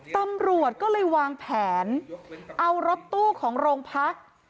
ตำรวจก็เลยวางแผนเอารถตู้ของโรงพัก